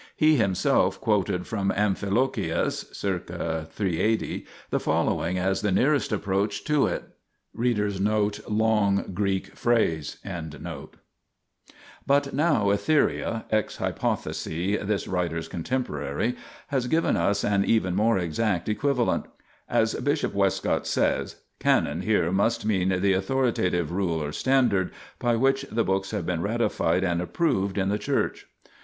He himself quoted from Amphilochius (circ. 380) the following as the nearest approach to it : OVTO? xavcbv &v sir) TWV deoTtvevoratv But now Etheria (ex hypotkesi this writer's contem porary) has given us an even more exact equivalent. As Bishop Westcott says, Canon here must mean the authoritative rule or standard, by which the books have been ratified and approved in the Church.